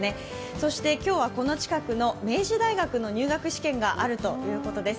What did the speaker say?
そして今日はこの近くの明治大学の入学試験があるということです。